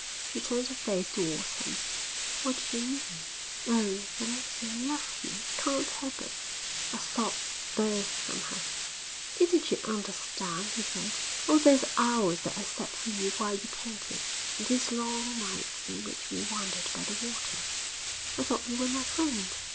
She turned her face towards him. 'What do you mean?' 'Oh, Valentia, I love you! I can't help it.' A sob burst from her. 'Didn't you understand,' he said, 'all those hours that I sat for you while you painted, and these long nights in which we wandered by the water?' 'I thought you were my friend.'